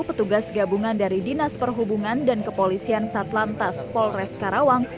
petugas gabungan dari dinas perhubungan dan kepolisian satlantas polres karawang